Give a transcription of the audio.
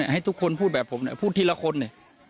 ให้ทุกคนพูดแบบผมพูดทีละคนเนี่ย